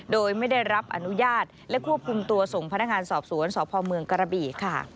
โดยไม่ได้รับอนุญาตและควบคุมตัวส่งพนักงานสอบสวนสพเมืองกระบี่ค่ะ